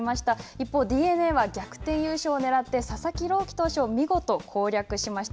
一方、ＤｅＮＡは逆転優勝をねらって佐々木朗希投手を見事攻略しました。